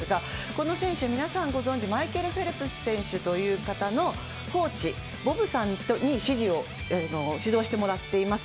この選手、皆さんご存じ、マイケル・フェルプス選手という方のコーチ、ボブさんに師事を、指導してもらっています。